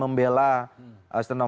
mempertanyakan keseriusan juga